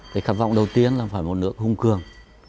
cái khát vọng đầu tiên là phải một nước hùng cường